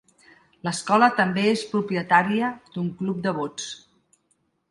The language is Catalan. L'escola també és propietària d'un club de bots.